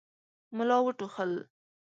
ملا وټوخل.